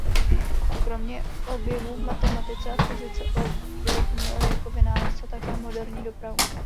Kromě objevů v matematice a fyzice ovlivnil jako vynálezce také moderní dopravu.